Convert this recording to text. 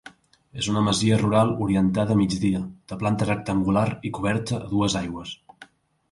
És una masia rural orientada a migdia, de planta rectangular i coberta a dues aigües.